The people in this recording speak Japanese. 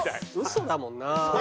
嘘だもんな。